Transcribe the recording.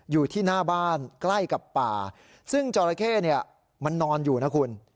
อยู่ที่หน้าบ้านใกล้กับป่าซึ่งจราเข้เนี่ยมันนอนอยู่นะคุณ